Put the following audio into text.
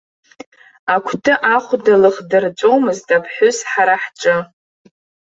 Акәты ахәда лыхдырҵәомызт аԥҳәыс ҳара ҳҿы.